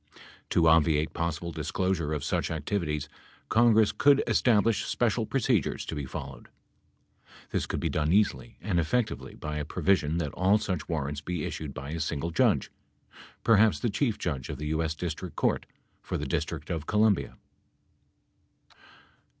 To obviate possible disclosure of such activities, Congress could establish special procedures to be followed. This could be done easily and effectively by a provision that all such warrants be issued by a single judge — perhaps the Chief Judge of the U.S. District Court for the District of Columbia.